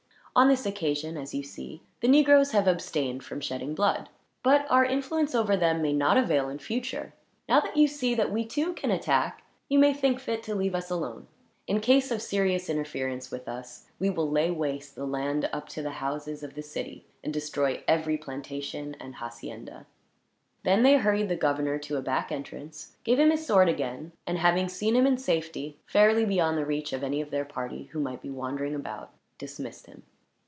"On this occasion, as you see, the negroes have abstained from shedding blood; but our influence over them may not avail, in future. Now that you see that we too can attack, you may think fit to leave us alone. In case of serious interference with us, we will lay waste the land, up to the houses of the city; and destroy every plantation, and hacienda." Then they hurried the governor to a back entrance, gave him his sword again and, having seen him in safety, fairly beyond the reach of any of their party who might be wandering about, dismissed him.